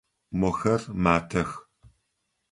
Мохэр матэх.